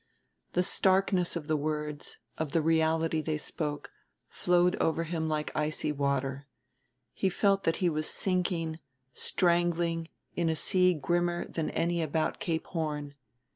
The starkness of the words, of the reality they spoke, flowed over him like icy water; he felt that he was sinking, strangling, in a sea grimmer than any about Cape Horn.